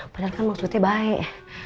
padahal kan maksudnya baik